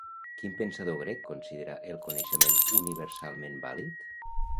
Quin pensador grec considera el coneixement universalment vàlid?